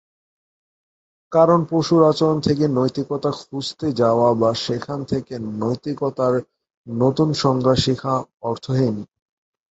কারণ পশুর আচরণ থেকে নৈতিকতা খুজতে যাওয়া বা সেখান থেকে নৈতিকতার নতুন সংজ্ঞা শিখা অর্থহীন।